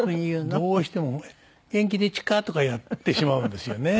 どうしても「元気でちゅか？」とかやってしまうんですよね。